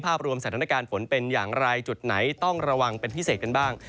รวมสถานการณ์ฝนเป็นอย่างไรจุดไหนต้องระวังเป็นพิเศษกันบ้าง